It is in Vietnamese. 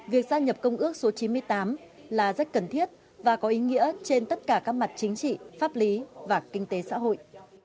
việc gia nhập công ước số chín mươi tám là rất cần thiết và có ý nghĩa trên tất cả các mặt chính trị pháp lý và kinh tế xã hội